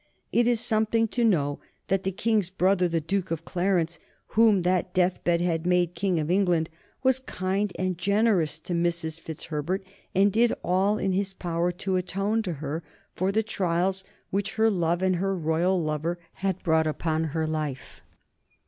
It is something to know that the King's brother, the Duke of Clarence, whom that death bed had made King of England, was kind and generous to Mrs. Fitzherbert, and did all in his power to atone to her for the trials which her love and her royal lover had brought upon her life.